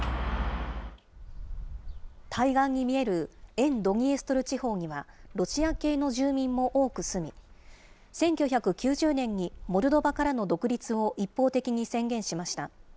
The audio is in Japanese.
対岸に見える沿ドニエストル地方には、ロシア系の住民も多く住み、１９９０年にモルドバからの独立を一方的に宣言しました。